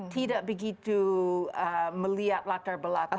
tidak begitu melihat latar belakang